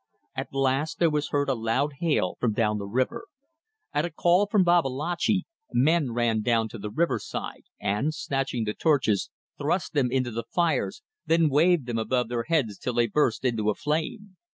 At last there was heard a loud hail from down the river. At a call from Babalatchi men ran down to the riverside and, snatching the torches, thrust them into the fires, then waved them above their heads till they burst into a flame.